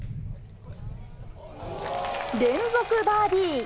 連続バーディー。